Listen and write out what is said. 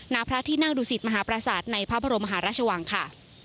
ณพระที่นั่งดุสิตมหาปราศาสตร์ในพระบรมหาราชวังค่ะ